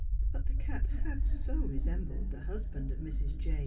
But the cat had so resembled the husband of Mrs. J.